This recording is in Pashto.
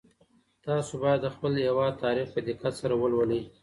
تاسو باید د خپل هېواد تاریخ په دقت سره ولولئ.